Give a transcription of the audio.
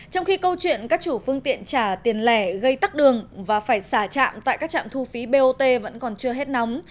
trong khi câu chuyện các chủ phương tiện trả tiền lẻ gây tắc đường và phải xả trạm tại các trạm thu phí bot vẫn còn chưa hết nóng